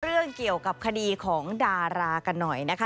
เรื่องเกี่ยวกับคดีของดารากันหน่อยนะคะ